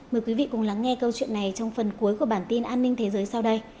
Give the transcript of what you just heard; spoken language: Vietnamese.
mời quý vị cùng lắng nghe câu chuyện này trong phần cuối của bản tin an ninh thế giới sau đây